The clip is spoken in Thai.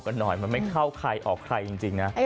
กันหน่อยมันไม่เข้าใครออกใครและเป็นใครจริงนะ